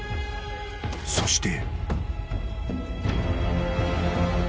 ［そして］